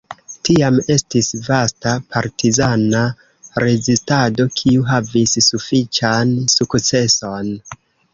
Tiam estis vasta partizana rezistado, kiu havis sufiĉan sukceson.